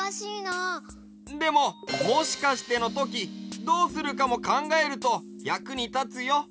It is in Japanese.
でももしかしてのときどうするかもかんがえるとやくにたつよ。